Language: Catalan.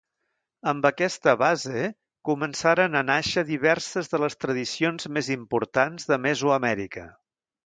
Amb aquesta base començaren a nàixer diverses de les tradicions més importants de Mesoamèrica.